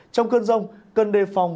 trong cơn rông cơn đề phong